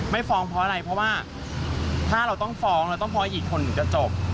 ฟ้องเพราะอะไรเพราะว่าถ้าเราต้องฟ้องเราต้องฟ้องอีกคนหนึ่งจะจบ